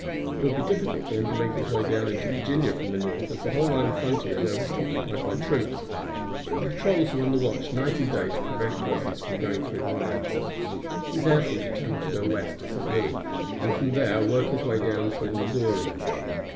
It would be difficult for him to make his way down into Virginia from the North as the whole line of frontier there was occupied by troops, and patrols were on the watch night and day to prevent persons from going through the lines. He therefore determined to go west to St. Louis, and from there work his way down through Missouri.